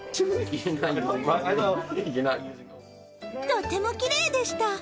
とてもきれいでした。